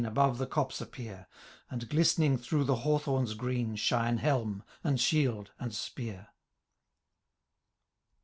Above the copse appear ; And, glistening through the hawthorns green. Shine helm, and shield, and spear.